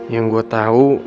yang gue tau